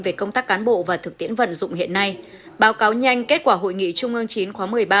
về công tác cán bộ và thực tiễn vận dụng hiện nay báo cáo nhanh kết quả hội nghị trung ương chín khóa một mươi ba